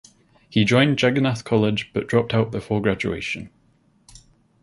He joined Jagannath College but dropped out before graduation.